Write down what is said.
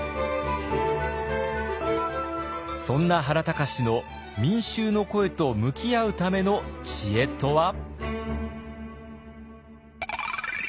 そんな原敬の民衆の声と向き合うための知恵とは？